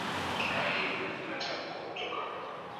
a hivi kunatamko kutoka kwa